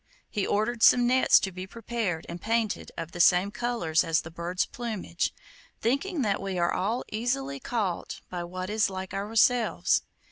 He ordered some nets to be prepared and painted of the same colours as the bird's plumage, thinking that we are all easily caught by what is like ourselves.